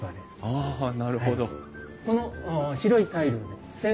ああなるほど。